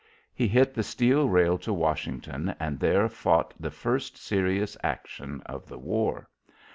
He hit the steel trail to Washington and there fought the first serious action of the war.